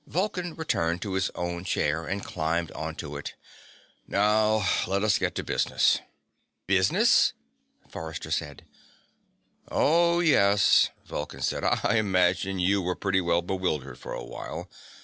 Vulcan returned to his own chair and climbed onto it. "Now let us get to business." "Business?" Forrester said. "Oh, yes," Vulcan said. "I imagine you were pretty well bewildered for a while.